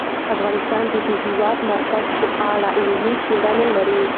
افغانستان د د هېواد مرکز په اړه علمي څېړنې لري.